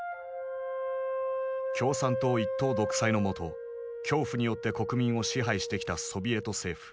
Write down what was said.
共産党一党独裁の下恐怖によって国民を支配してきたソビエト政府。